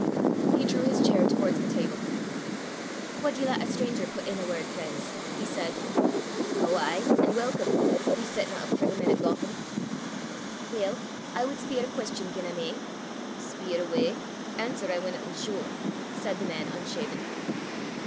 He drew his chair towards the table. "Wad ye lat a stranger put in a word, freen's?" he said. "Ow ay, an' welcome! We setna up for the men o' Gotham." "Weel, I wad speir a queston gien I may." "Speir awa'. Answer I winna insure," said the man unshaven.